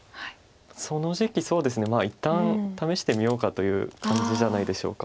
その時期そうですね一旦試してみようかという感じじゃないでしょうか。